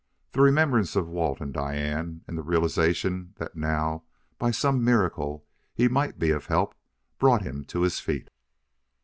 The remembrance of Walt and Diane, and the realization that now, by some miracle, he might be of help, brought him to his feet.